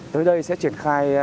tới đây sẽ triển khai